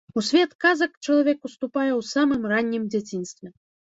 У свет казак чалавек уступае ў самым раннім дзяцінстве.